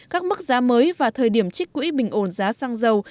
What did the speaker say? các mức giá mới và thời điểm trích quỹ bình ổn giá xăng dầu